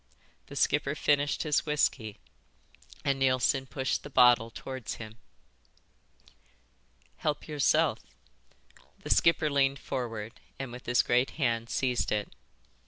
The skipper finished his whisky, and Neilson pushed the bottle towards him. "Help yourself." The skipper leaned forward and with his great hand seized it.